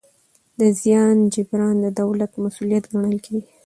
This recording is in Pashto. د زیان جبران د دولت مسوولیت ګڼل کېږي.